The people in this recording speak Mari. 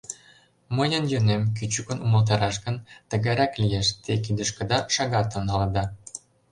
Мыйын йӧнем, кӱчыкын умылтараш гын, тыгайрак лиеш: те кидышкыда шагатым налыда.